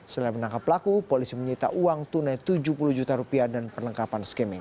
setelah menangkap pelaku polisi menyita uang tunai rp tujuh puluh juta dan perlengkapan skimming